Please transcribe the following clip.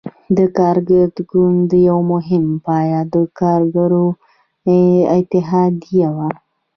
د کارګر ګوند یوه مهمه پایه د کارګرو اتحادیه وه.